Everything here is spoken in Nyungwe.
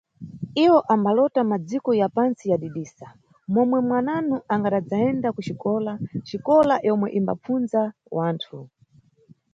Iwo ambalota madziko ya pantsi yadidisa, momwe mwananu angadadzayenda kuxikola, xikola yomwe imbapfunza wanthu.